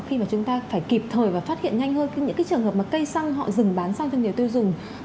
khi mà chúng ta phải kịp thời và phát hiện nhanh hơn những cái trường hợp mà cây xăng họ dừng bán sang cho người tiêu dùng